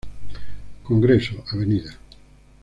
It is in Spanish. Congreso, Av.